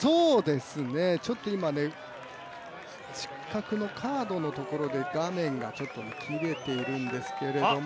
今、失格のカードのところで画面が切れているんですけども。